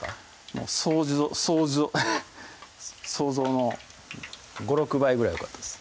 もうそうじぞそうじょ想像の５６倍ぐらいよかったです